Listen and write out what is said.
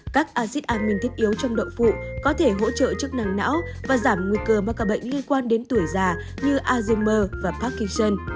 các acid amine thiết yếu trong đậu phụ có thể hỗ trợ chức năng não và giảm nguy cơ mắc bệnh liên quan đến tuổi già như alzheimer và parkinson